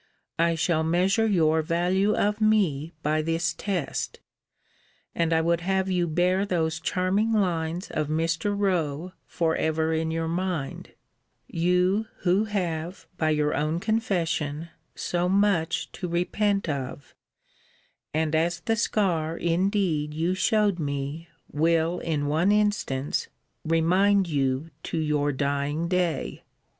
I shall measure your value of me by this test: and I would have you bear those charming lines of Mr. Rowe for ever in your mind; you, who have, by your own confession, so much to repent of; and as the scar, indeed, you shewed me, will, in one instance, remind you to your dying day.